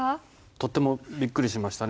とってもびっくりしましたね。